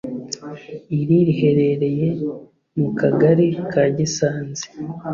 Iri riherereye mu kagari ka Gisanze